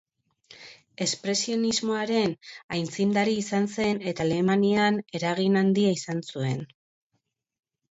Espresionismoaren aitzindari izan zen eta Alemanian eragin handia izan zuen.